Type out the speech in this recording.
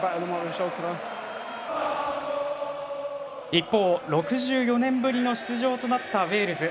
一方、６４年ぶりの出場となったウェールズ。